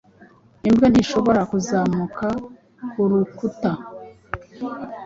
Imbwa ntishobora kuzamuka kurukuta